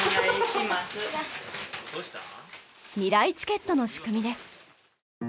みらいチケットの仕組みです。